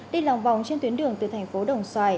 đi lòng vòng trên tuyến đường từ thành phố đồng xoài